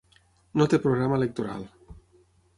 No té programa electoral.